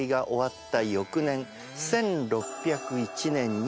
１６０１年に。